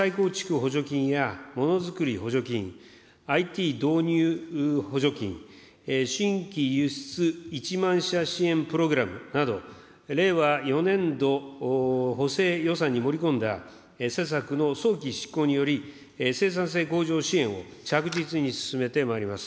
補助金やものづくり補助金、ＩＴ導入補助金、新規輸出１万社支援プログラムなど、令和４年度補正予算に盛り込んだ施策の早期執行により、生産性向上支援を着実に進めてまいります。